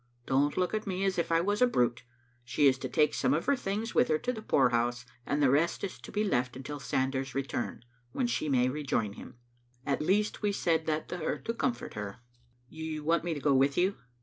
Don't look at me as if I was a brute. She is to take some of her things with her to the poorhouse, and the Digitized by VjOOQ IC Vbc Curling Season* 108 rest is to be left until Sanders's return, when she may rejoin him. At least we said that to her to comfort her. "" You want me to go with you?"